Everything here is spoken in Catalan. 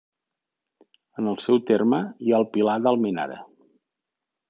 En el seu terme hi ha el Pilar d'Almenara.